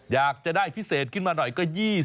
อยากจะได้พิเศษขึ้นมาหน่อยก็๒๐